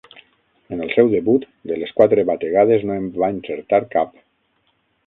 En el seu debut de les quatre bategades no en va encertar cap.